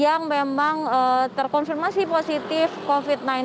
dan juga warga yang memang terkonfirmasi positif covid sembilan belas